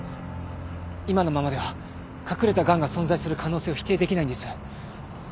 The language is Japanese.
今のままでは隠れたがんが存在する可能性を否定できないんです。